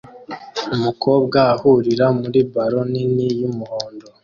Umukobwa ahuhira muri ballon nini y'umuhondo